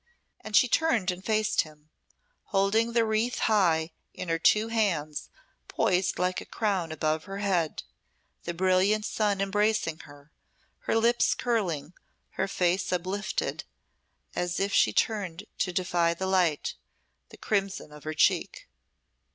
And she turned and faced him, holding the wreath high in her two hands poised like a crown above her head the brilliant sun embracing her, her lips curling, her face uplifted as if she turned to defy the light, the crimson of her cheek.